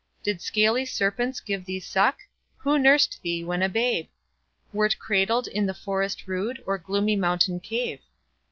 Did scaly serpents give thee suck? Who nursed thee when a babe? Wert cradled in the forest rude, Or gloomy mountain cave?